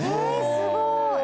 すごい！